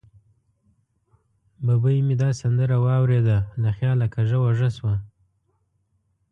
ببۍ مې دا سندره واورېده، له خیاله کږه وږه شوه.